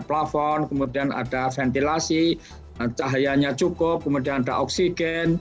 plafon kemudian ada ventilasi cahayanya cukup kemudian ada oksigen